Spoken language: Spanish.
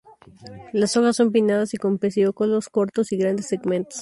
Las hojas son pinnadas y con pecíolos cortos y grandes segmentos.